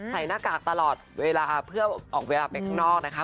หน้ากากตลอดเวลาเพื่อออกเวลาไปข้างนอกนะคะ